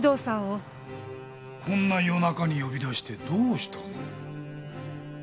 こんな夜中に呼び出してどうしたの？